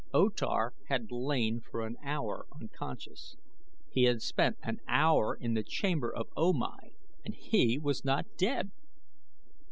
O Tar had lain for an hour unconscious. He had spent an hour in the chamber of O Mai and he was not dead!